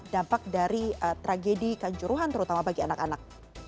dampak dari tragedi kanjuruhan terutama bagi anak anak